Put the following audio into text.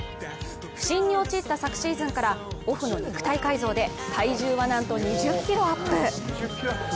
不振に陥った昨シーズンからオフの肉体改造で体重は、なんと２０ｋｇアップ。